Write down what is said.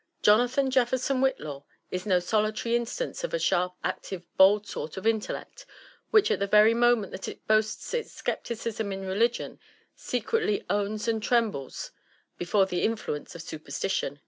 Jonathan Jefferson Whitlaw is no solitary instance of a sharp, ac tive, bold sort of intellect, which at the very moment that it boasts its scepticism in religion, secretly owns and trembles before the influence of superstition.